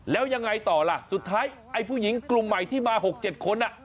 แล้วยังไงต่อล่ะสุดท้ายไอ้ผู้หญิงกลุ่มใหม่ที่มา๖๗คน